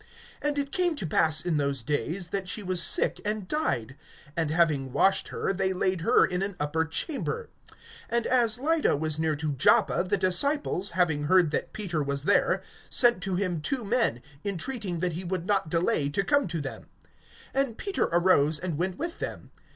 (37)And it came to pass in those days, that she was sick, and died. And having washed her, they laid her in an upper chamber. (38)And as Lydda was near to Joppa, the disciples, having heard that Peter was there, sent to him two men, entreating that he would not delay to come to them. (39)And Peter arose and went with them.